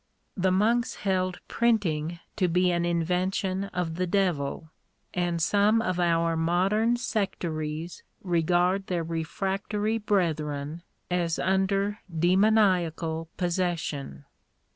The monks held printing to be an invention of the devil; and some of our modern sectaries re gard their refractory brethren as under demoniacal possession*.